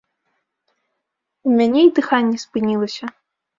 У мяне і дыханне спынілася.